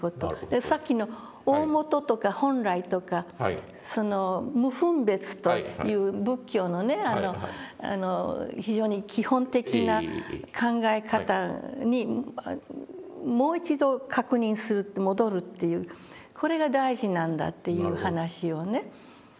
さっきの大本とか本来とか無分別という仏教のね非常に基本的な考え方にもう一度確認する戻るというこれが大事なんだという話をね。